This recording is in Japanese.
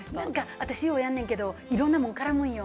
私、ようやんねんけれど、いろんなもの絡むのよ。